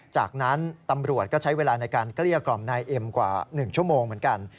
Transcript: จากนั้นตำรวจก็ใช้เวลาในการเกลี้ยกล่อมนายเอ็มกว่า๑ชั่วโมงเหมือนกัน